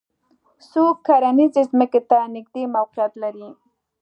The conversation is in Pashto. څوک کرنیزې ځمکې ته نږدې موقعیت لري